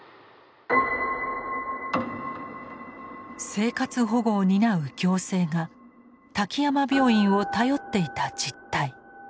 生活保護を担う行政が滝山病院を頼っていた実態。